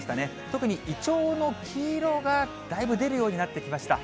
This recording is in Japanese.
特にイチョウの黄色がだいぶ出るようになってきました。